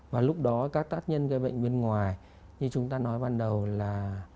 và lúc đó các tác nhân gây bệnh bên ngoài như chúng ta nói ban đầu là